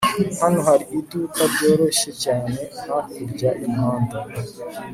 hano hari iduka ryoroshye cyane hakurya y'umuhanda